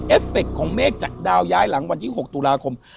ฟเฟคของเมฆจากดาวย้ายหลังวันที่๖ตุลาคม